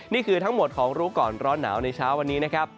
นี่คือทั้งหมดของรู้ก่อนร้อนหนาวในเช้าวันนี้นะครับ